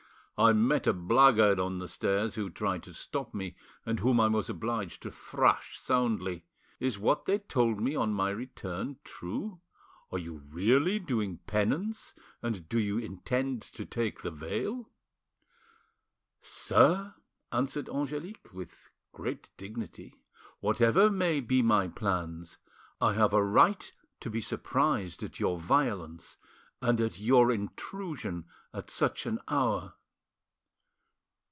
I met a blackguard on the stairs who tried to stop me, and whom I was obliged to thrash soundly. Is what they told me on my return true? Are you really doing penance, and do you intend to take the veil?" "Sir," answered Angelique, with great dignity, "whatever may be my plans, I have a right to be surprised at your violence and at your intrusion at such an hour."